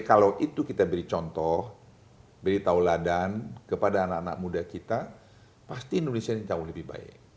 kalau itu kita beri contoh beri tahu ladan kepada anak anak muda kita pasti indonesia ini jauh lebih baik